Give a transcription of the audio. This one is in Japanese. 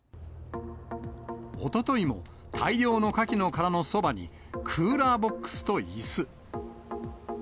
おとといも、大量のカキの殻のそばに、クーラーボックスといす。